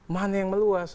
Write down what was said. mana yang meluas